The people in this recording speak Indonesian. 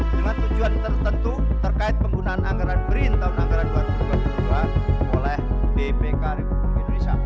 dengan tujuan tertentu terkait penggunaan anggaran brin tahun anggaran dua ribu dua puluh dua oleh bpk republik indonesia